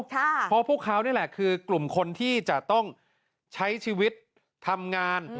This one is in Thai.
เพราะพวกเขานี่แหละคือกลุ่มคนที่จะต้องใช้ชีวิตทำงาน